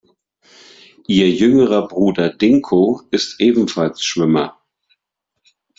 Ihr jüngerer Bruder Dinko ist ebenfalls Schwimmer.